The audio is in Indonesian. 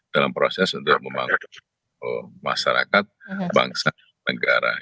dalam proses untuk membangun masyarakat bangsa negara